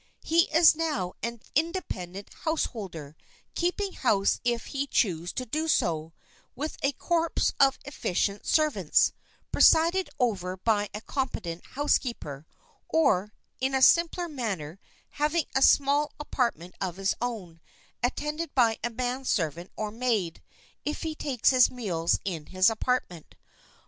He is now an independent householder, keeping house if he choose to do so, with a corps of efficient servants, presided over by a competent housekeeper,—or, in a simpler manner having a small apartment of his own, attended by a manservant or maid, if he takes his meals in his apartment.